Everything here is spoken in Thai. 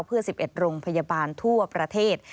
เพื่อ๑๑โรงพยาบาลทั่วประเทศ